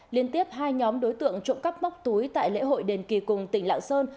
liên tiếp hai nhóm đối tượng trộm cắp móc túi tại lễ hội đền kỳ cùng tỉnh lạng sơn